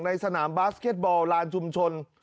สนามบาสเก็ตบอลลานชุมชน